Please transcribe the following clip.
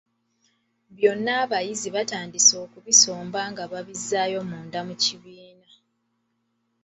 Byonna abayizi baatandise okubisomba nga babizzaayo munda mu bibiina.